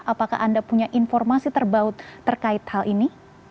apakah anda punya informasi terbaut terkait hal ini